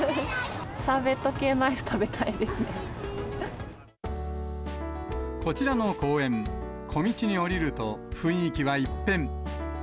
シャーベット系のアイス食べたいこちらの公園、小道に降りると雰囲気は一変。